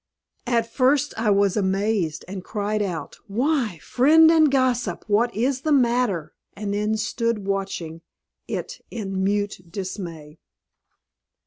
At first I was amazed, and cried out, "Why, friend and gossip! What is the matter?" and then stood watching it in mute dismay.